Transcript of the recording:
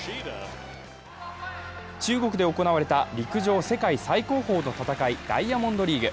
中国で行われた陸上・世界最高峰の戦い、ダイヤモンドリーグ。